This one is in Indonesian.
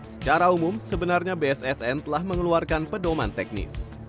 secara umum sebenarnya bssn telah mengeluarkan pedoman teknis